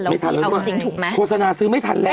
ไม่ทันแล้วโฆษณาซื้อไม่ทันแล้ว